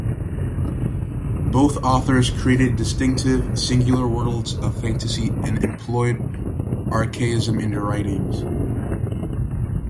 Both authors created distinctive, singular worlds of fantasy and employed archaisms in their writings.